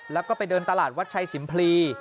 แล้วก็ไปเดินตลาดวัดชัยสิมพลี